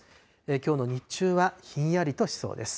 きょうの日中はひんやりとしそうです。